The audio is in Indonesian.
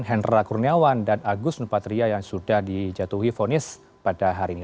hendra kurniawan dan agus nupatria yang sudah dijatuhi vonis pada hari ini